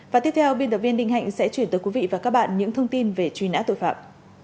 và tiếp theo biên tập viên đinh hạnh sẽ chuyển tới quý vị và các bạn những thông tin về truy nã tội phạm